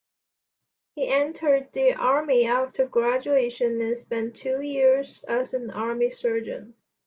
He entered the army after graduation and spent two years as an army surgeon.